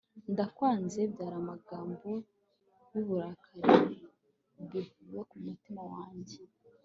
ndakwanze! byari amagambo y'uburakari bivuye ku mutima wanjye